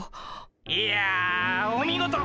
いやお見事！